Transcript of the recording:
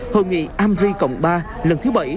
hội nghị amri cộng ba lần thứ bảy